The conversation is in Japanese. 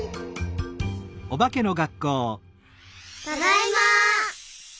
ただいま。